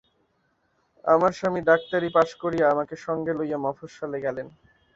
আমার স্বামী ডাক্তারি পাশ করিয়া আমাকে সঙ্গে লইয়া মফস্বলে গেলেন।